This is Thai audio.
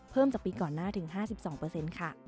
จากปีก่อนหน้าถึง๕๒ค่ะ